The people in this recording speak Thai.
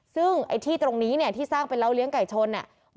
ซึ่งไอ้ที่ตรงนี้เนี่ยที่สร้างเป็นเล้าเลี้ยไก่ชนเนี่ย